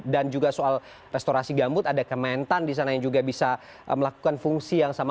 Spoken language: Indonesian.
dan juga soal restorasi gambut ada kementan disana yang juga bisa melakukan fungsi yang sama